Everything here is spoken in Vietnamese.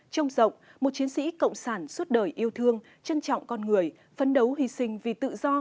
trông rộng một chiến sĩ cộng sản suốt đời yêu thương trân trọng con người phấn đấu hy sinh vì tự do